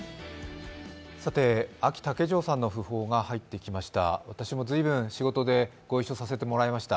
あき竹城さんの訃報が入ってきました。